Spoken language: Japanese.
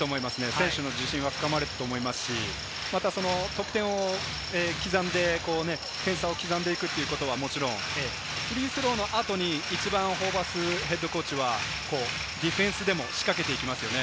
選手の自信も深まると思いますし、得点を刻んで点数を刻んでいくことはもちろん、フリースローの後に一番ホーバスＨＣはディフェンスでも仕掛けていきますよね。